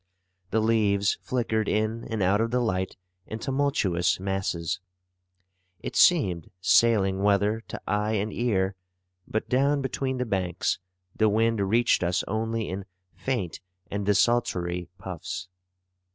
The leaves flickered in and out of the light in tumultuous masses. It seemed sailing weather to eye and ear; but down between the banks, the wind reached us only in faint and desultory puffs.